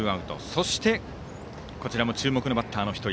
そして、こちらも注目のバッターの１人。